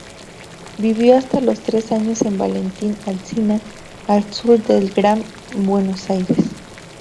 Vivió hasta los tres años en Valentín Alsina, al sur del Gran Buenos Aires.